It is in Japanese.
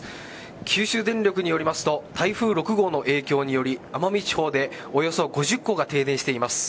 九州電力によりますと台風６号の影響により奄美地方でおよそ５０戸が停電しています。